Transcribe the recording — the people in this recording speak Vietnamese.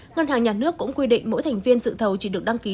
ngân hàng nhà nước cũng quy định mỗi thành viên dự thầu chỉ được đăng ký